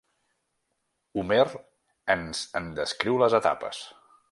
Homer ens en descriu les etapes.